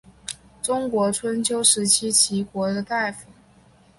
中国春秋时期齐国的大夫。